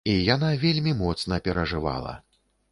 І яна вельмі моцна перажывала.